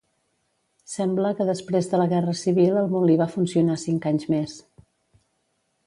Sembla que després de la guerra civil el molí va funcionar cinc anys més.